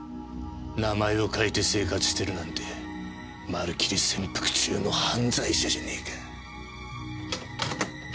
名前を変えて生活してるなんてまるきり潜伏中の犯罪者じゃねえか。